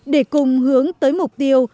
để cùng hướng tới mục tiêu